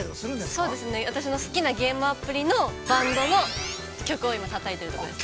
◆そうですね、私の好きなゲームアプリのバンドの曲を今たたいているところです。